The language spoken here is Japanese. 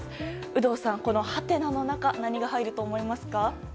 有働さん、このはてなの中何が入ると思いますか？